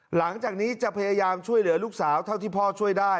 หลังจากนี้จะพยายามช่วยเหลือลูกสาวเท่าที่พ่อช่วยได้